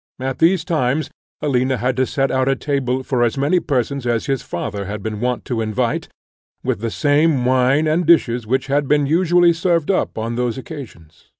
At these times Alina had to set out a table for as many persons as his father had been wont to invite, with the same wine and dishes which had been usually served up on those occasions.